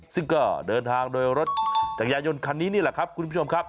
ซึ่งก็เดินทางโดยรถจักรยายนคันนี้นี่แหละครับคุณผู้ชมครับ